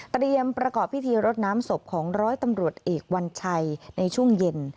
ประกอบพิธีรดน้ำศพของร้อยตำรวจเอกวัญชัยในช่วงเย็น